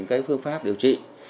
và các phương pháp điều trị